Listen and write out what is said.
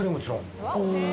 お。